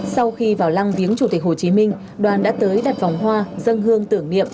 sau khi vào lăng viếng chủ tịch hồ chí minh đoàn đã tới đặt vòng hoa dân hương tưởng niệm